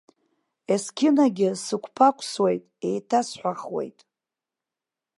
Есқьынагьы сықәԥақәсуеит, еиҭасҳәахуеит.